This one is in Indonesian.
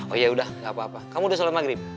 oh iya udah gak apa apa kamu udah sholat maghrib